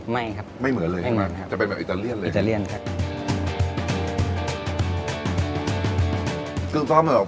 ไม่ครับไม่เหมือนเลยไม่ครับจะเป็นแบบอิตาเลียนเลยอิตาเลียนครับ